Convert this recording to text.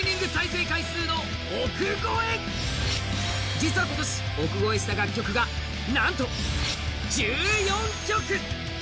実は今年、億超えした楽曲がなんと１４曲。